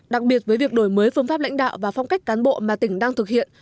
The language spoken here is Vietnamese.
đặc biệt với việc đổi mới phương pháp lãnh đạo và phong cách cán bộ mà tỉnh đang thực hiện